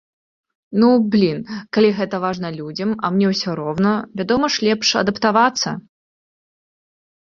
Ну, блін, калі гэта важна людзям, а мне ўсё роўна, вядома ж, лепш адаптавацца.